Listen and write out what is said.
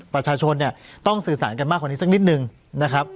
ประชาชนเนี่ยต้องสื่อสารกันมากกว่านี้สักนิดนึงนะครับ